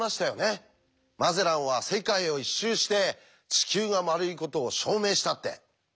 「マゼランは世界を一周して地球が丸いことを証明した」って。